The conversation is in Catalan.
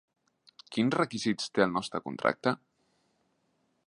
Quins requisits té el nostre contracte?